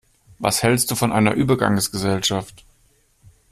Was hältst du von einer Übergangsgesellschaft?